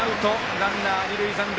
ランナー、二塁残塁。